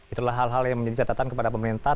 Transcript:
itulah hal hal yang menjadi catatan kepada pemerintah